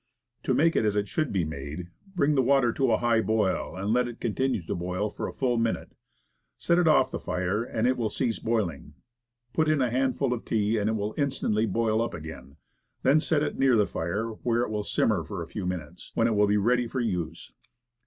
To make it as it should be made, bring the water to a high boil, and let it continue to boil for a full minute. Set it off the fire and it will cease boiling; put in a handful of tea, and it will instantly boil up again; then set it near the fire, where it will simmer for a few minutes, when it will be ready for use.